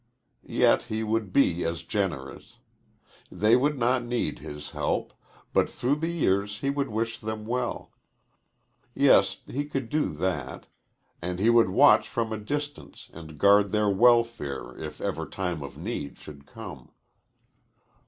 Yet he would be as generous. They would not need his help, but through the years he would wish them well yes, he could do that and he would watch from a distance and guard their welfare if ever time of need should come.